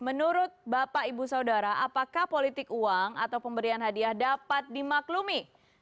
menurut bapak ibu saudara apakah politik uang atau pemberian hadiah dapat dimaklumi